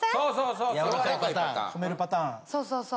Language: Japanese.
そうそうそう。